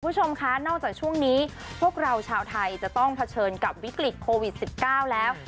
คุณผู้ชมคะนอกจากช่วงนี้พวกเราชาวไทยจะต้องเผชิญกับวิกฤตโควิด๑๙แล้ว